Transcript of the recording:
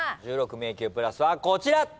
１６迷宮プラスはこちら。